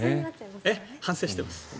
反省しています。